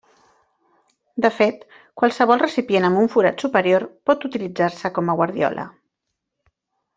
De fet, qualsevol recipient amb un forat superior pot utilitzar-se com a guardiola.